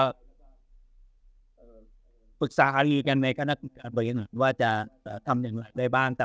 ฝีนภายสาไปแล้วกันในขณะว่าจะทำอย่างไรได้บ้าง